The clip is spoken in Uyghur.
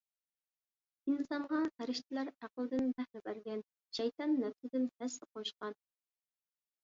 ئىنسانغا پەرىشتىلەر ئەقلىدىن بەھرە بەرگەن، شەيتان نەپسىدىن ھەسسە قوشقان.